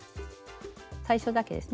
最初だけですね。